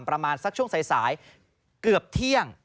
ประมาณสักช่วงสายเกือบเที่ยง